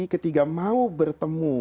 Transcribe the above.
ketika mau bertemu